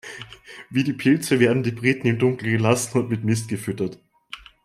Wie die Pilze werden die Briten im Dunkeln gelassen und mit Mist gefüttert.